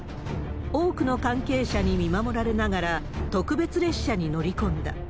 多くの関係者に見守られながら、特別列車に乗り込んだ。